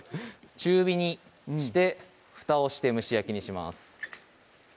中火にしてふたをして蒸し焼きにします